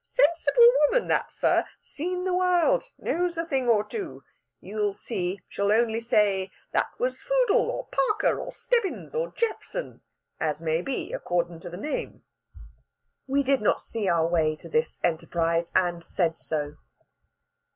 Sensible woman that, sir seen the world knows a thing or two. You'll see she'll only say, 'That was Foodle or Parker or Stebbins or Jephson,' as may be, accordin' to the name." We did not see our way to this enterprise, and said so.